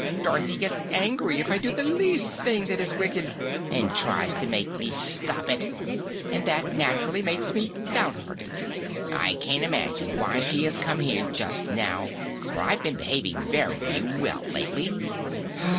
Dorothy gets angry if I do the least thing that is wicked, and tries to make me stop it, and that naturally makes me downhearted. I can't imagine why she has come here just now, for I've been behaving very well lately.